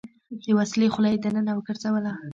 د وسلې خوله يې دننه وګرځوله.